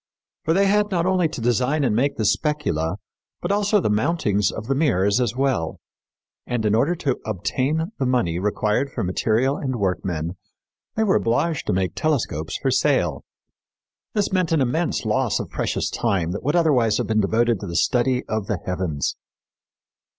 For they had not only to design and make the specula, but also the mountings of the mirrors as well. And, in order to obtain the money required for material and workmen, they were obliged to make telescopes for sale. This meant an immense loss of precious time that would otherwise have been devoted to the study of the heavens.